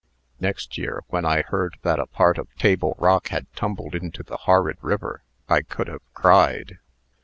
Next year, when I heard that a part of Table Rock had tumbled into the horrid river, I could have cried."